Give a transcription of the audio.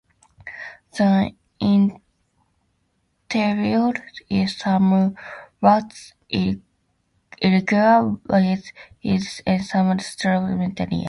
The interior is somewhat irregular, with ridges and some slumped material.